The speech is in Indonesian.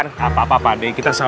nah kak based dari tugas ai